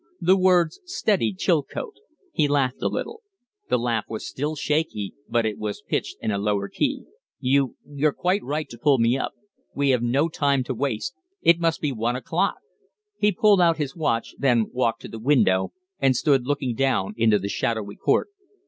The words steadied Chilcote. He laughed a little. The laugh was still shaky, but it was pitched in a lower key. "You you're quite right to pull me up. We have no time to waste. It must be one o'clock." He pulled out his watch, then walked to the window and stood looking down into the shadowy court.